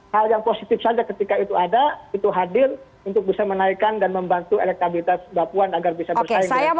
hal yang positif saja ketika itu ada itu hadir untuk bisa menaikkan dan membantu elektabilitas mbak puan agar bisa bersaing dengan baik